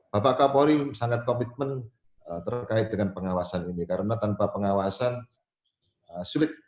bapak kapolri sangat komitmen terkait dengan pengawasan ini karena tanpa pengawasan sulit